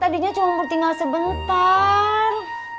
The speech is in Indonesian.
tadinya cuma bertinggal sebentar